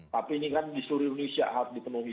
tapi ini kan di seluruh indonesia harus di penuhi